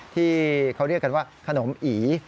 ที่เขาเรียกกันว่าขนมอี